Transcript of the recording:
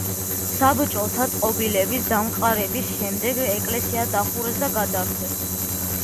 საბჭოთა წყობილების დამყარების შემდეგ ეკლესია დახურეს და გაძარცვეს.